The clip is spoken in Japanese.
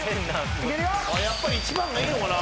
やっぱり１番がいいのかな！？